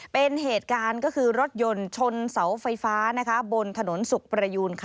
เป็นเหตุการณ์ก็คือรถยนต์ชนเสาไฟฟ้าบนถนนสุขประยูน